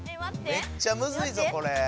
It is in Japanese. めっちゃむずいぞこれ。